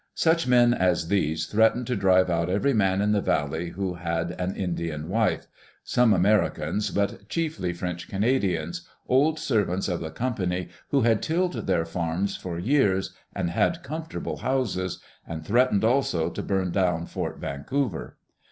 Such men as these threat ened to drive out every man in the valley who had an Indian wife — some Americans, but chiefly French Canadiam, old servants of the Company who had tilled their farms for years and had comfortable houses^^and threatened also to bum down Fort Vancouver.